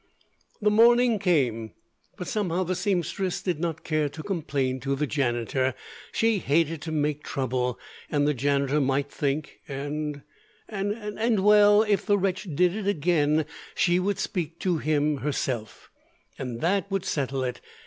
The morning came, but somehow the seamstress did not care to complain to the janitor. She hated to make trouble and the janitor might think and and well, if the wretch did it again she would speak to him herself, and that would settle it.